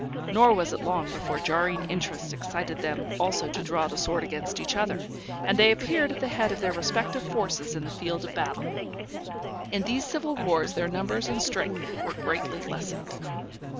Nor was it long before jarring interests excited them also to draw the sword against each other, and they appeared at the head of their respective forces in the field of battle. In these civil wars their numbers and strength were greatly lessened.